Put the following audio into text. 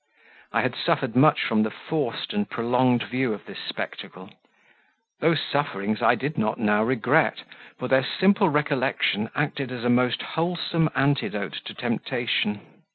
I had suffered much from the forced and prolonged view of this spectacle; those sufferings I did not now regret, for their simple recollection acted as a most wholesome antidote to temptation.